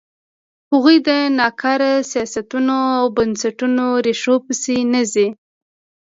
هغوی د ناکاره سیاستونو او بنسټونو ریښو پسې نه ځي.